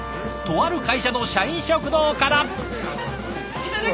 とある会社の社員食堂から。